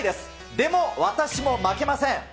でも、私も負けません！